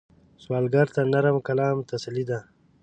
سوالګر ته نرم کلام تسلي ده